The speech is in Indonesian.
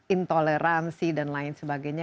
intoleransi dan lain sebagainya